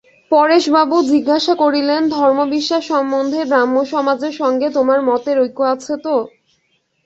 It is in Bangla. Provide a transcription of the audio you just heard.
পরেশবাবু জিজ্ঞাসা করিলেন, ধর্মবিশ্বাস সম্বন্ধে ব্রাহ্মসমাজের সঙ্গে তোমার মতের ঐক্য আছে তো?